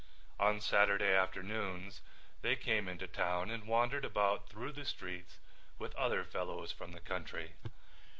On Saturday afternoons they came into town and wandered about through the streets with other fellows from the country.